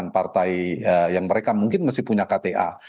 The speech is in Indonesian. partai yang mereka mungkin masih punya kta